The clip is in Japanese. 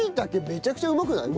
めちゃくちゃうまくない？